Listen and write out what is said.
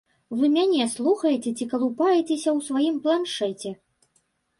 Вы мяне слухаеце ці калупаецеся ў сваім планшэце?!